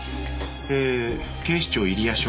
えー警視庁入谷署。